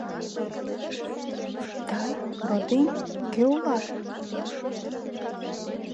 Тый, родем, кӧ улат?